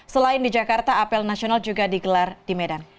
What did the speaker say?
selain di jakarta apel nasional juga digelar di medan